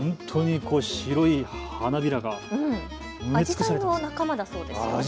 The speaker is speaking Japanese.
アジサイの仲間だそうです。